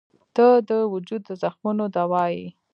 • ته د وجود د زخمونو دوا یې.